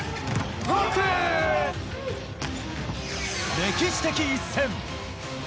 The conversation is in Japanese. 歴史的一戦。